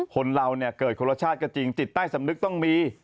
คนเราเนี่ยเกิดคนละชาติก็จริงจิตใต้สำนึกต้องมี